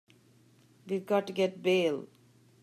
We've got to get bail.